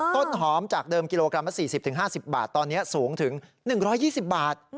ต้นหอมจากเดิมกิโลกรัมละ๔๐๕๐บาทตอนนี้สูงถึง๑๒๐บาท